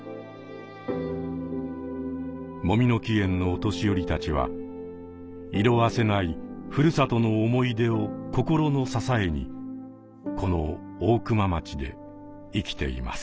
もみの木苑のお年寄りたちは色あせない故郷の思い出を心の支えにこの大熊町で生きています。